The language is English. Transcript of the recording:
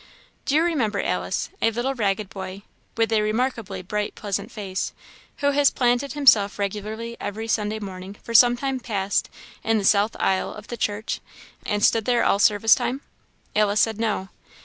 Do you remember, Alice, a little ragged boy, with a remarkably bright, pleasant face, who has planted himself regularly every Sunday morning for some time past in the south aisle of the church, and stood there all service time?" Alice said no.